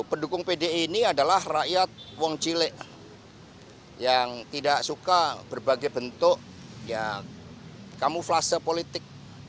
pendukung pdi ini adalah rakyat wong cilek yang tidak suka berbagai bentuk ya kamuflase politik